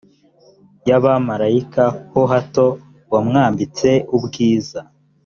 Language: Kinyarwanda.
y abamarayika ho hato wamwambitse ubwiza